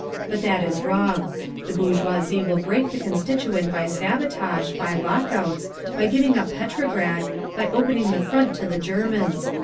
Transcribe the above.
But that is wrong. The bourgeoisie will break the Constituent by sabotage, by lock outs, by giving up Petrograd, by opening the front to the Germans.